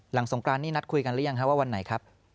สงกรานนี้นัดคุยกันหรือยังว่าวันไหนครับ